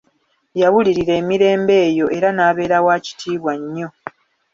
Yaawulirira emirembe eyo era n'abeera wa kitiibwa nnyo.